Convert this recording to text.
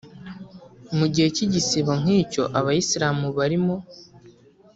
Mu gihe cy’igisibo nk’icyo Abayislamu barimo